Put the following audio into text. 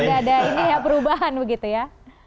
sudah sama ya jadi sudah ada perubahan begitu ya